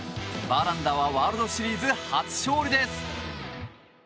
バーランダーはワールドシリーズ初勝利です。